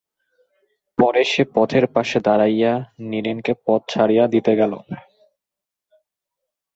পরে সে পথের পাশে দাঁড়াইয়া নীরেনকে পথ ছাড়িয়া দিতে গেল।